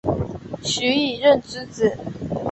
徐以任之子。